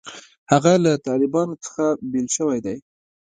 هغه له طالبانو څخه بېل شوی دی.